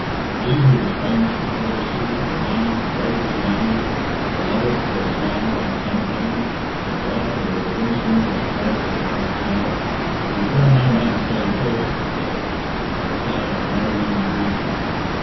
He, who was famous for courtesy, renowned for gracious manners, beloved for a smile like sunshine the brighter and more winsome when it broke as from a cloud returned no man's salutation that day, and replied to no woman's greeting.